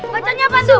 baca nya apa tuh